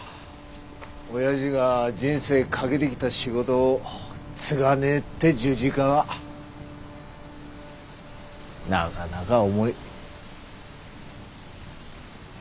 おやじが人生懸けてきた仕事を継がねえって十字架はなかなか重い。